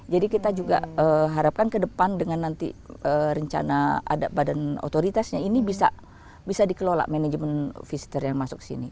jadi kita juga harapkan kedepan dengan nanti rencana ada badan otoritasnya ini bisa dikelola manajemen visitor yang masuk sini